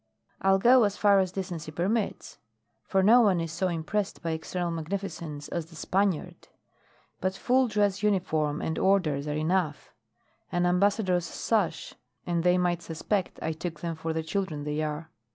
"I'll go as far as decency permits, for no one is so impressed by external magnificence as the Spaniard. But full dress uniform and orders are enough; an ambassador's sash and they might suspect I took them for the children they are.